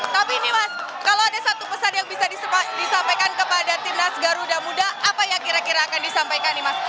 tapi ini mas kalau ada satu pesan yang bisa disampaikan kepada timnas garuda muda apa yang kira kira akan disampaikan nih mas